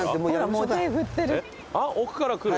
あっ奥から来る？